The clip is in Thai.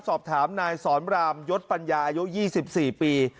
สอบถามนายสอนรามยศปัญญาอายุ๒๔ปี